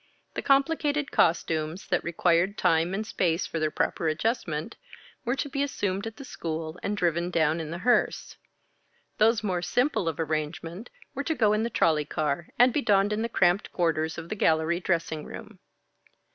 The complicated costumes, that required time and space for their proper adjustment, were to be assumed at the school and driven down in the hearse. Those more simple of arrangement were to go in the trolley car, and be donned in the cramped quarters of the gallery dressing room.